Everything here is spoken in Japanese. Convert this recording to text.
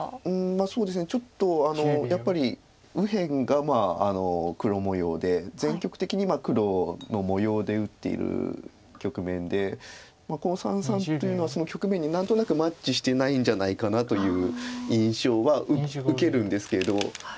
そうですねちょっとやっぱり右辺が黒模様で全局的に黒の模様で打っている局面でこの三々というのはその局面に何となくマッチしてないんじゃないかなという印象は受けるんですけど。